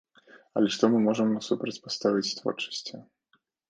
Але што мы можам супрацьпаставіць творчасці?